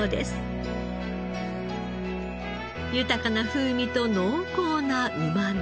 豊かな風味と濃厚なうまみ。